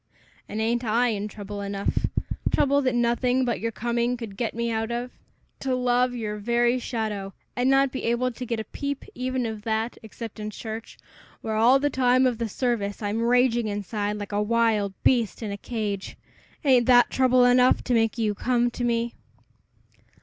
"And ain't I in trouble enough trouble that nothing but your coming could get me out of? To love your very shadow, and not be able to get a peep even of that, except in church, where all the time of the service I'm raging inside like a wild beast in a cage ain't that trouble enough to make you come to me?"